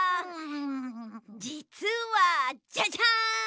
じつはジャジャン！